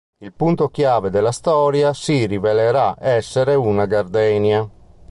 Il punto chiave della storia si rivelerà essere una gardenia.